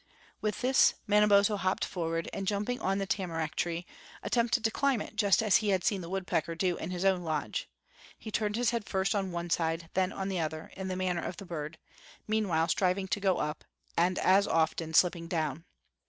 With this Manabozho hopped forward, and jumping on the tamarack tree, attempted to climb it just as he had seen the woodpecker do in his own lodge. He turned his head first on one side, then on the other, in the manner of the bird, meanwhile striving to go up, and as often slipping down.